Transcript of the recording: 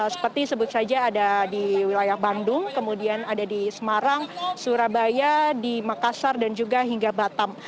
seperti sebut saja ada di wilayah bandung kemudian ada di semarang surabaya di makassar dan juga hingga batam